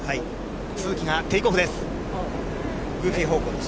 都筑がテイクオフです。